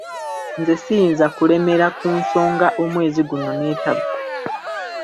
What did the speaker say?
Nze siyinza kulemera ku nsonga omwezi guno neetaggwa.